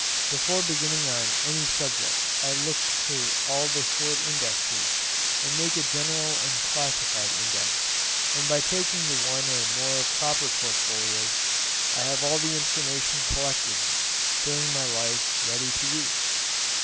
Before beginning on any subject I look to all the short indexes and make a general and classified index, and by taking the one or more proper portfolios I have all the information collected during my life ready for use.